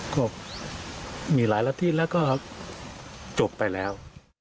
ก็มีหลายละที่แล้วก็จบไปแล้ว